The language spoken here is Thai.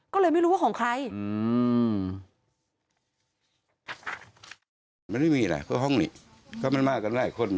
ก็เลยไม่รู้ว่าของใคร